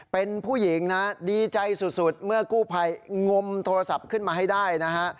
เป็นผู้หญิงนะดีใจสุดเมื่อกู้ภัยงมโทรศัพท์ขึ้นมาให้ได้นะฮะ